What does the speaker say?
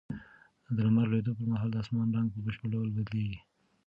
د لمر لوېدو پر مهال د اسمان رنګ په بشپړ ډول بدلېږي.